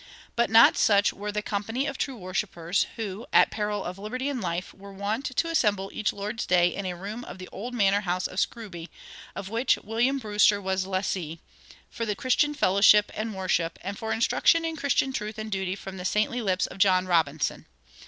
But not such were the company of true worshipers who, at peril of liberty and life, were wont to assemble each Lord's day in a room of the old manor house of Scrooby, of which William Brewster was lessee, for Christian fellowship and worship, and for instruction in Christian truth and duty from the saintly lips of John Robinson.